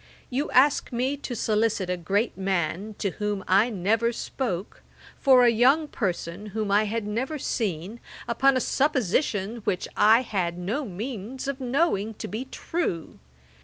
You ask me to solicit a great man, to whom I never spoke, for a young person whom I had never seen, upon a supposition which I had no means of knowing to be true.